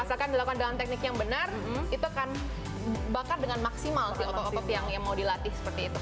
asalkan dilakukan dengan teknik yang benar itu akan bakar dengan maksimal sih otot otot yang mau dilatih seperti itu